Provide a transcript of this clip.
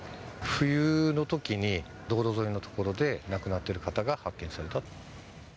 冬のときに、道路沿いの所で亡くなってる方が発見されたと。